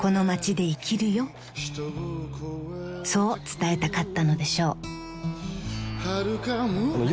［そう伝えたかったのでしょう］